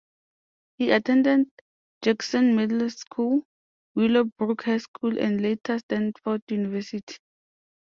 He attended Jackson Middle School, Willowbrook High School, and later Stanford University.